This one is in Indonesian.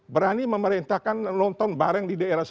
berani memerintahkan nonton bareng di daerah